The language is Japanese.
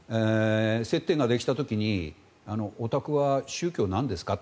接点ができた時にお宅は宗教、なんですか？